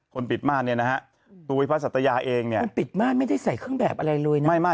ปิดม่านเนี่ยนะฮะตัวพระสัตยาเองเนี่ยมันปิดม่านไม่ได้ใส่เครื่องแบบอะไรเลยนะ